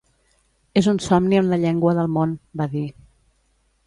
"És un somni en la llengua del món", va dir.